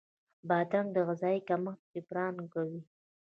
بادرنګ د غذايي کمښت جبران کوي.